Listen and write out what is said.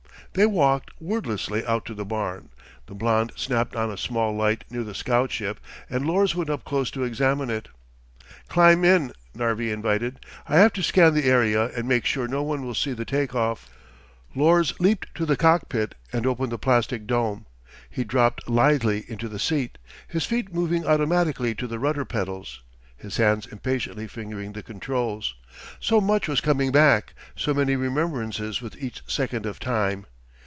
They walked, wordlessly, out to the barn. The blond snapped on a small light near the scout ship and Lors went up close to examine it. "Climb in," Narvi invited. "I have to scan the area and make sure no one will see the take off." Lors leaped to the cockpit and opened the plastic dome; he dropped lithely into the seat, his feet moving automatically to the rudder pedals, his hands impatiently fingering the controls. So much was coming back. So many remembrances with each second of time.